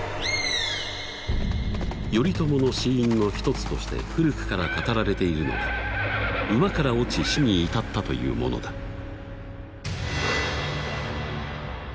頼朝の死因の一つとして古くから語られているのが馬から落ち死に至ったというものだ。